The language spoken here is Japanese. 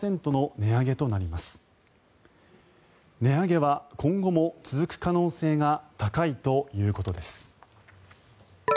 値上げは今後も続く可能性が高いということです。